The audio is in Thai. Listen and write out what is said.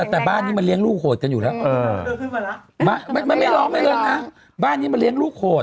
แต่บ้านนี้มันเลี้ยงลูกโหดกันอยู่แล้วมันไม่ร้องไม่ลงนะบ้านนี้มันเลี้ยงลูกโหด